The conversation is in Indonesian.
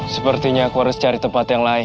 sepertinya aku harus cari tempat yang lain